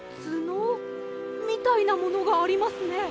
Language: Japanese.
つの？みたいなものがありますね。